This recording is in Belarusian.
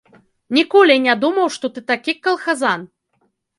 Ніколі не думаў, што ты такі калхазан!